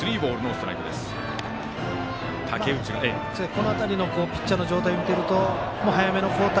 この辺りのピッチャーの状態を見てると早めの交代。